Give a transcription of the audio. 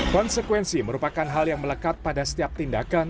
konsekuensi merupakan hal yang melekat pada setiap tindakan